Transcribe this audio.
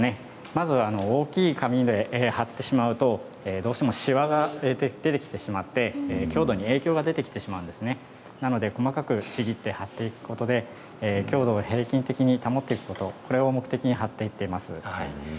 まずは大きい紙で貼ってしまうとどうしてもしわが出てきてしまって強度に影響が出てきてしまうんですねなので細かくちぎって貼っていくことで強度を平均的に保っていくことを目的に貼っていっています。